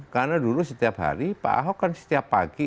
karena dulu setiap hari pak ahok kan setiap pagi